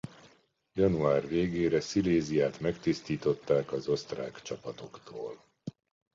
Január végére Sziléziát megtisztították az osztrák csapatoktól.